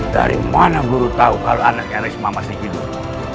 dari mana guru tahu kalau anaknya risma masih hidup